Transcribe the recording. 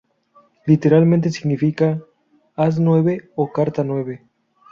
Literalmente significa "haz nueve" o "carta nueve".